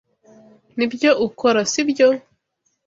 Nibyo ukora, sibyo?